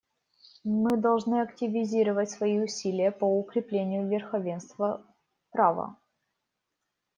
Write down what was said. Мы должны активизировать свои усилия по укреплению верховенства права.